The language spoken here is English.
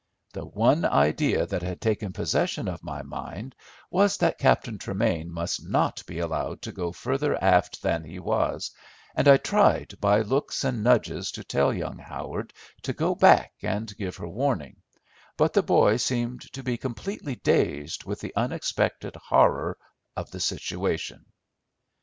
The one idea that had taken possession of my mind was that Captain Tremain must not be allowed to go further aft than he was, and I tried by looks and nudges to tell young Howard to go back and give her warning, but the boy seemed to be completely dazed with the unexpected horror of the situation.